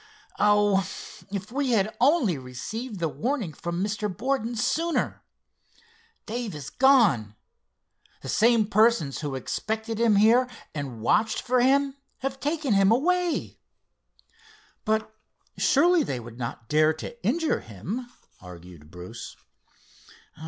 "Oh, if we had only received the warning from Mr. Borden sooner! Dave is gone. The same persons who expected him here, and watched for him, have taken him away." "But surely they would not dare to injure him," argued Bruce.